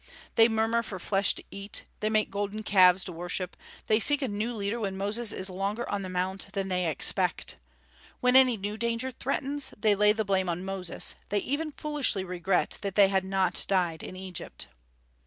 They murmur for flesh to eat; they make golden calves to worship; they seek a new leader when Moses is longer on the Mount than they expect. When any new danger threatens they lay the blame on Moses; they even foolishly regret that they had not died in Egypt.